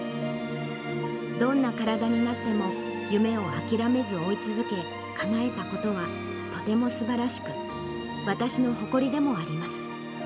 どんな体になっても、夢を諦めず追い続け、かなえたことは、とてもすばらしく、私の誇りでもあります。